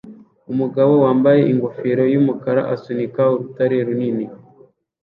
Umugabo wambaye ingofero yumukara asunika urutare runini